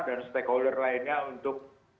dan stakeholder lainnya untuk